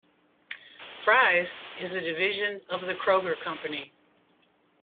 Fry's is a division of The Kroger Company.